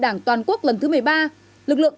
đảng toàn quốc lần thứ một mươi ba lực lượng